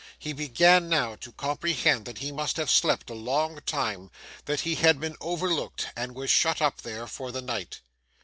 He began now to comprehend that he must have slept a long time, that he had been overlooked, and was shut up there for the night.